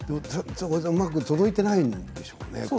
うまく届いていないんでしょうね